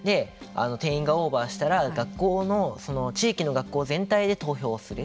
定員がオーバーしたら学校の地域の学校全体で投票をする。